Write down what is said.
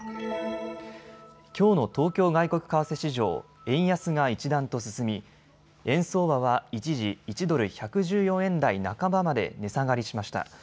きょうの東京外国為替市場円安が一段と進み円相場は一時、１ドル１１４円台半ばまで値下がりしました。